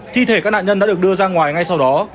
thi thể các nạn nhân đã được đưa ra ngoài ngay sau đó